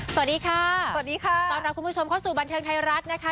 สวัสดีค่ะสวัสดีค่ะต้อนรับคุณผู้ชมเข้าสู่บันเทิงไทยรัฐนะคะ